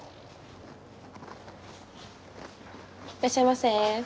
いらっしゃいませ。